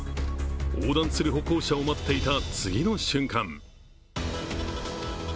横断する歩行者を待っていた、次の瞬間。